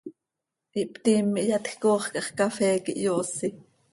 Ihptiim, ihyatj coox cah x, cafee quih hyoosi.